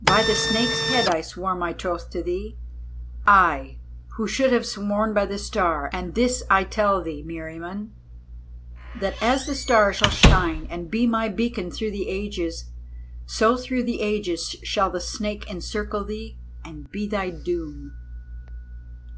By the Snake's head I swore my troth to thee, I, who should have sworn by the Star; and this I tell thee, Meriamun, that as the Star shall shine and be my beacon through the ages, so through the ages shall the Snake encircle thee and be thy doom!"